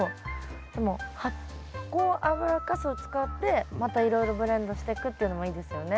でも発酵油かすを使ってまたいろいろブレンドしていくっていうのもいいですよね。